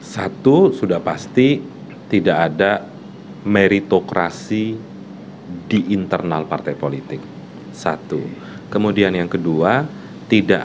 satu sudah pasti tidak ada meritokrasi di internal partai politik satu kemudian yang kedua tidak